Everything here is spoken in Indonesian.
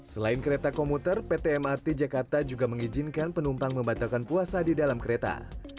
selain kereta komuter pt mrt jakarta juga mengizinkan penumpang membatalkan puasa di dalam kereta